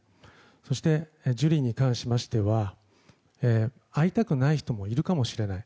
そして、ジュリーに関しましては会いたくない人もいるかもしれない。